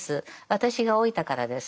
私が老いたからです。